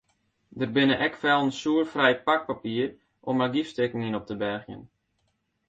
Der binne ek fellen soerfrij pakpapier om argyfstikken yn op te bergjen.